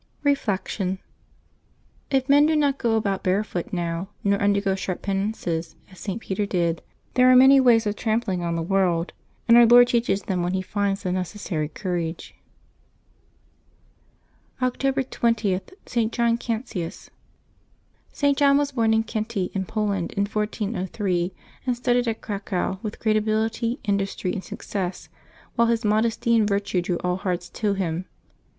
Reflection. — If men do not go about barefoot now, nor undergo sharp penances, as St. Peter did, there are many ways of trampling on the world; and Our Lord teaches them when He finds the necessary courage. October 20.— ST. JOHN CANTIUS. r. John was born at Kenty in Poland in 1403, and studied at Cracow with great ability, industry, and success, while his modesty and virtue drew all hearts to him.